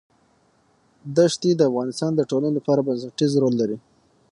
ښتې د افغانستان د ټولنې لپاره بنسټيز رول لري.